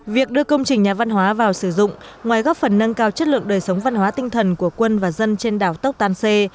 việc đưa công trình nhà văn hóa vào sử dụng ngoài góp phần nâng cao chất lượng đời sống văn hóa tinh thần của quân và dân trên đảo tốc tan xê